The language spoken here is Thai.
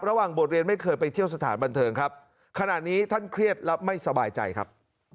บทเรียนไม่เคยไปเที่ยวสถานบันเทิงครับขณะนี้ท่านเครียดและไม่สบายใจครับ